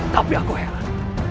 tapi aku heran